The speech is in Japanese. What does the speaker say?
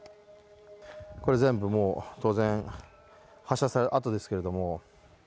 これ全部、もう当然、発射された跡ですけれども。